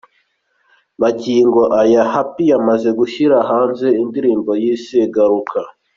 Magingo aya Happy yamaze gushyira hanze indirimbo yise 'Garuka'.